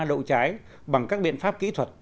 đậu trái bằng các biện pháp kỹ thuật